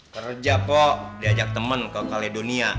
kerja kok diajak temen ke kaledonia